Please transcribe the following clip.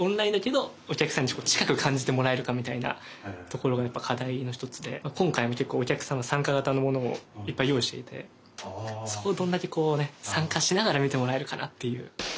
みたいなところがやっぱ課題の一つで今回も結構お客さんが参加型のものをいっぱい用意していてそこをどんだけこうね参加しながら見てもらえるかなっていう。